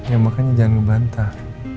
ya makanya jangan ngebantah